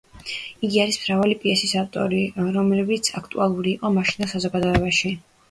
იგი არის მრავალი პიესის ავტორი, რომლებიც აქტუალური იყო მაშინდელ საზოგადოებაში.